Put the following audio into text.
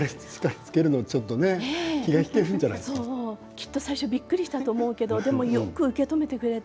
きっと最初びっくりしたと思うけどでもよく受け止めてくれて。